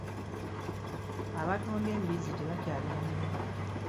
Abatunda embizzi tebakyalina mirimu.